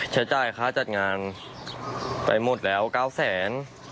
ใช้จ่ายค่าจัดงานไปหมดแล้ว๙๐๐๐๐๐บาท